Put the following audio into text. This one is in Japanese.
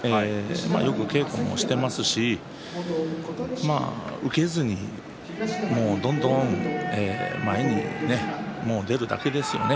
よく稽古もしていますし打てずにどんどん前に出ていくだけですね。